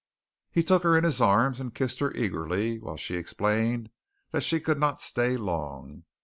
He took her in his arms and kissed her eagerly while she explained that she could not stay long.